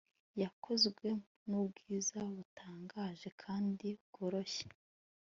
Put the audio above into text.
Yakozweho nubwiza butangaje kandi bworoshye